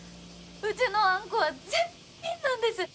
うちのあんこは絶品なんです。